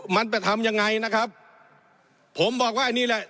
มันจะทำยังไงนะครับผมบอกว่าอันนี้แหละ